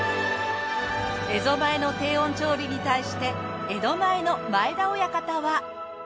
蝦夷前の低温調理に対して江戸前の前田親方は。